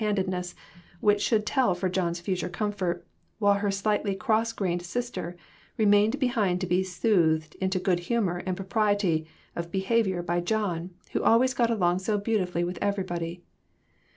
handedness which should tell for John's future comfort, while her slightly cross grained sister remained behind to be soothed into good humor and propriety of behavior by John, who always got along so beautifully with everybody.